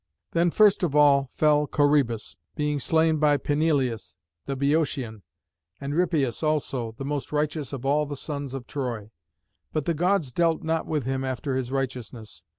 Then first of all fell Corœbus, being slain by Peneleus the Bœotian, and Rhipeus also, the most righteous of all the sons of Troy. But the Gods dealt not with him after his righteousness.